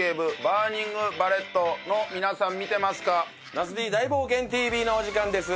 『ナスＤ大冒険ＴＶ』のお時間です。